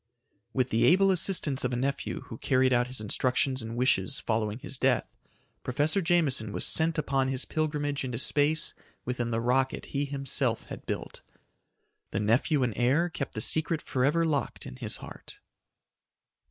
With the able assistance of a nephew, who carried out his instructions and wishes following his death, Professor Jameson was sent upon his pilgrimage into space within the rocket he himself had built. The nephew and heir kept the secret forever locked in his heart.